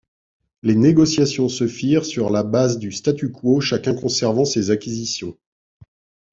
Les négociations se firent sur la base du statu quo, chacun conservant ses acquisitions.